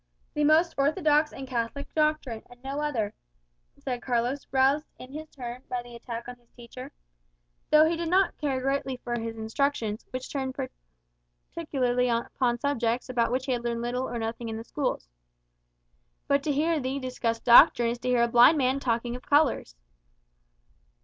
"The most orthodox and Catholic doctrine, and no other," said Carlos, roused, in his turn, by the attack upon his teacher; though he did not greatly care for his instructions, which turned principally upon subjects about which he had learned little or nothing in the schools. "But to hear thee discuss doctrine is to hear a blind man talking of colours."